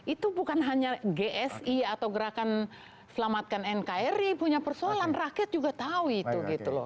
itu bukan hanya gsi atau gerakan selamatkan nkri punya persoalan rakyat juga tahu itu gitu loh